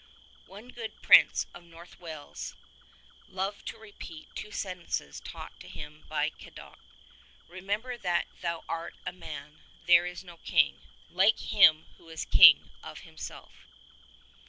One good prince of North Wales loved to repeat two sentences taught him by Cadoc : Remember that thou art a man: There is no King LIKE HIM WHO IS KiNG OF HIMSELF.